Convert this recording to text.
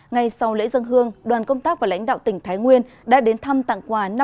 ngay sau lễ dân hương đoàn công tác và lãnh đạo tỉnh thái nguyên đã đến thăm tặng quà